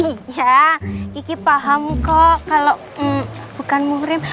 iya kiki paham kok kalo bukan muhrim